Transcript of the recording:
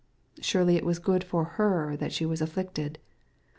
Surely it was good for her that she was afflicted.